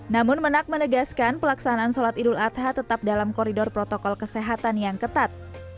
namun menak menegaskan pelaksanaan sholat idul adha tetap dalam koridor protokol kesehatan yang ketat